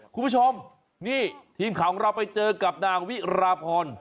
คุณผู้ชมนี่ทีมข่าวของเราไปเจอกับนางวิราพร